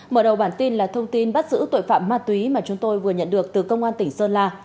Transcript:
mở đầu bản tin là thông tin bắt giữ tội phạm ma túy mà chúng tôi vừa nhận được từ công an tỉnh sơn la